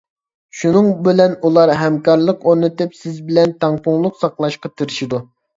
شۇنىڭ بىلەن ئۇلار ھەمكارلىق ئورنىتىپ، سىز بىلەن تەڭپۇڭلۇق ساقلاشقا تىرىشىدۇ.